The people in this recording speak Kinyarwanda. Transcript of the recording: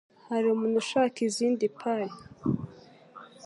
Hari umuntu ushaka izindi pie?